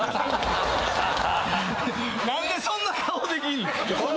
何でそんな顔できんねん。